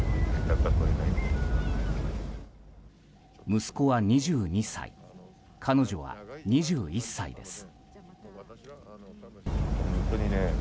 息子は２２歳彼女は２１歳です。